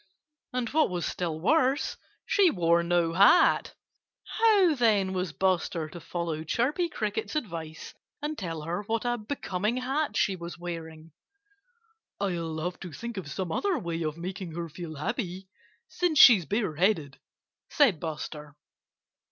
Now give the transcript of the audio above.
And what was still worse, she wore no hat. How, then, was Buster to follow Chirpy Cricket's advice and tell her what a becoming hat she was wearing? "I'll have to think of some other way of making her feel happy since she's bareheaded," said Buster.